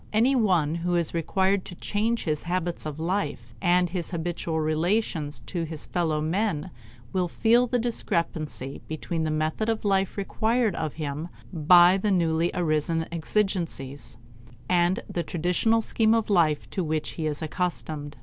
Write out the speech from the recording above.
Any one who is required to change his habits of life and his habitual relations to his fellow men will feel the discrepancy between the method of life required of him by the newly arisen exigencies, and the traditional scheme of life to which he is accustomed.